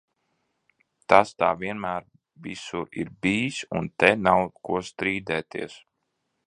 Tas tā vienmēr visur ir bijis, un te nav ko strīdēties.